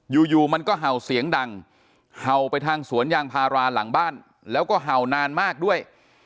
อยู่มันก็เห่าเสียงดังเห่าไปทางสวนยางพาราหลังบ้านแล้วก็เห่านานมากด้วย